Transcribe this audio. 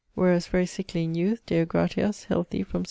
Wheras very sickly in youth; Deo gratias, healthy from 16.